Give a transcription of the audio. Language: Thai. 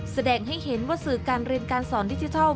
แสดงให้เห็นว่าสื่อการเรียนการสอนดิจิทัล